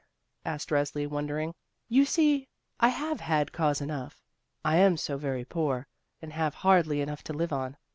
asked Resli, wondering. "You see, I have had cause enough. I am so very poor and have hardly enough to live on.